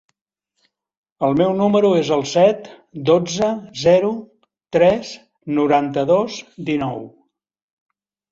El meu número es el set, dotze, zero, tres, noranta-dos, dinou.